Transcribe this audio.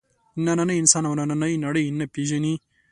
نننی انسان او نننۍ نړۍ نه پېژني.